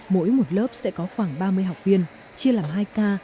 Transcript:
mỗi một lớp sẽ có khoảng ba mươi học viên chia làm hai k